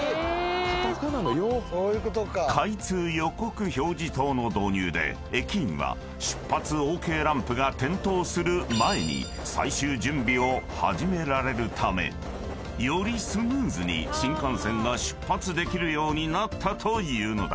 ［開通予告表示灯の導入で駅員は出発ＯＫランプが点灯する前に最終準備を始められるためよりスムーズに新幹線が出発できるようになったというのだ］